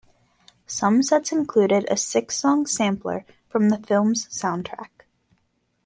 Some sets included a six-song sampler from the film's soundtrack.